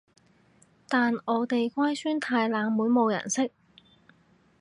但我啲乖孫太冷門冇人識